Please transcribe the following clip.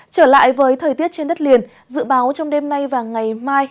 trở lại với thời tiết trên đất liền dự báo trong đêm nay và ngày mai